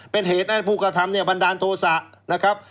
เป็นเหตุในผู้กระทำบันดาลโทษะ